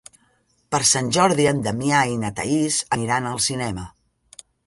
Per Sant Jordi en Damià i na Thaís aniran al cinema.